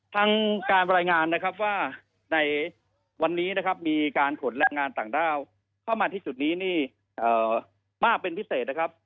ทางการรายงานนะครับว่าในวันนี้นะครับมีการขนแรงงานต่างด้าวเข้ามาที่จุดนี้นี่มากเป็นพิเศษนะครับ